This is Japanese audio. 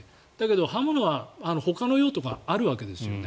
でも、刃物はほかの用途があるわけですよね。